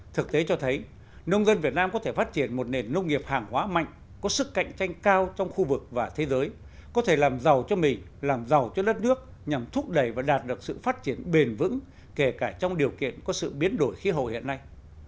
thực tế cho thấy nông dân việt nam có thể phát triển một nền nông nghiệp hàng hóa mạnh có sức cạnh tranh cao trong khu vực và thế giới có thể làm giàu cho mình làm giàu cho đất nước nhằm thúc đẩy và đạt được sự phát triển bền vững kể cả trong điều kiện có sự biến đổi khí hậu hiện nay